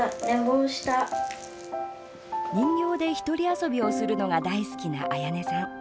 人形で１人遊びをするのが大好きな彩音さん。